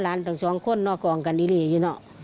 หลานทั้งสองคนกล่องกันดีอยู่น่ะ